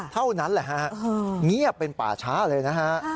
เท่านั้นแหละฮะเงียบเป็นป่าช้าเลยนะฮะ